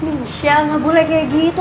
insya allah enggak boleh kayak gitu